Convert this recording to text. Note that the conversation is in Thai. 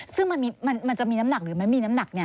ซึ่งมันจะมีน้ำหนักหรือไม่มีน้ำหนัก